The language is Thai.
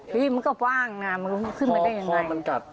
ที่มันก็ว่างน่ะมันขึ้นมาได้อย่างไร